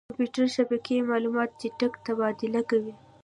کمپیوټر شبکې معلومات چټک تبادله کوي.